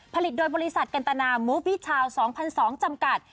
ผลิตโดยบริษัทกันตนามูฟวิชาวสองพันสองจำกัด